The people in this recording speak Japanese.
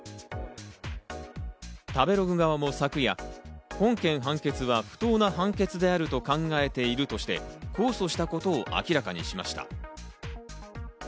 食べログ側も昨夜、本件判決は不当な判決であると考えているとして、控訴したことを明らかにしました。